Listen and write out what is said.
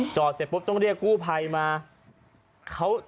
จอดต้องเรียกกู้ไพมา